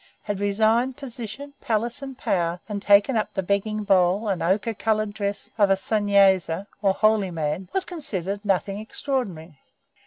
had resigned position, palace, and power, and taken up the begging bowl and ochre coloured dress of a Sunnyasi, or holy man, was considered nothing extraordinary.